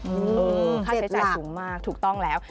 ค่าใช้จ่ายสูงมากถูกต้องแล้ว